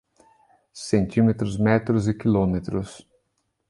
Centímetros, metros e quilômetros